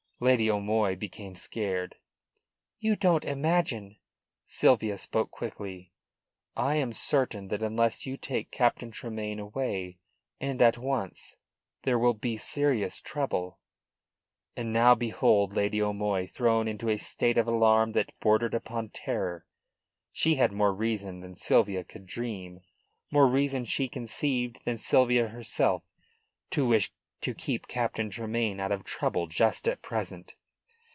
Lady O'Moy became scared. "You don't imagine " Sylvia spoke quickly: "I am certain that unless you take Captain Tremayne away, and at once, there will! be serious trouble." And now behold Lady O'Moy thrown into a state of alarm that bordered upon terror. She had more reason than Sylvia could dream, more reason she conceived than Sylvia herself, to wish to keep Captain Tremayne out of trouble just at present.